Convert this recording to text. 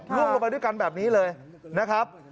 ล่วงลงไปด้วยกันแบบนี้เลยนะครับ